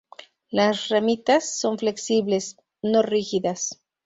Las ramitas son flexibles, no rígidas.